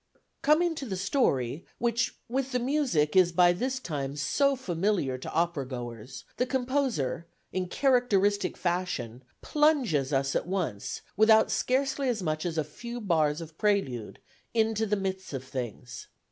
Coming to the story, which with the music is by this time so familiar to opera goers, the composer, in characteristic fashion, plunges us at once, without scarcely as much as a few bars of prelude, into the midst of things.